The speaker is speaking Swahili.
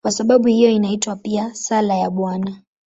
Kwa sababu hiyo inaitwa pia "Sala ya Bwana".